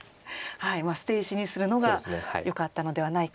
捨て石にするのがよかったのではないかと。